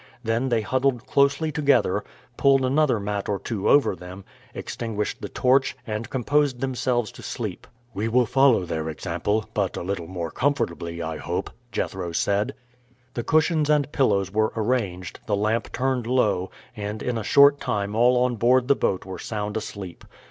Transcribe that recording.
Then they huddled closely together, pulled another mat or two over them, extinguished the torch, and composed themselves to sleep. "We will follow their example; but a little more comfortably, I hope," Jethro said. The cushions and pillows were arranged, the lamp turned low, and in a short time all on board the boat were sound asleep.